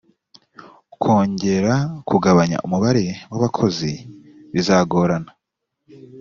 kongera kubanganya umubare wa bakozi bizagorana